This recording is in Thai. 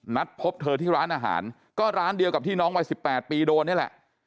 นัดพบเธอที่ร้านอาหารก็ร้านเดียวกับที่น้องวัย๑๘ปีโดนนี่แหละ